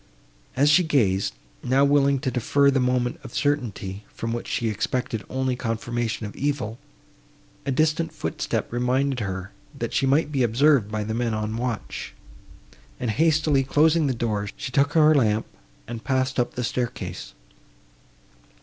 As she gazed, now willing to defer the moment of certainty, from which she expected only confirmation of evil, a distant footstep reminded her, that she might be observed by the men on watch, and, hastily closing the door, she took her lamp, and passed up the staircase.